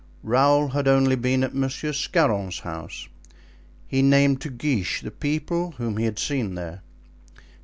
Raoul had only been at M. Scarron's house; he named to Guiche the people whom he had seen there.